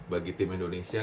bagi tim indonesia